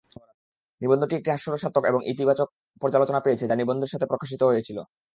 নিবন্ধটি একটি হাস্যরসাত্মক এবং ইতিবাচক পর্যালোচনা পেয়েছে যা নিবন্ধের সাথে প্রকাশিত হয়েছিল।